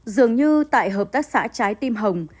dường như tại hợp tác xã trái tim hồng